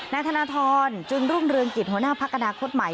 นายธนทรจึงรุ่งเรืองกิจหัวหน้าพักอนาคตใหม่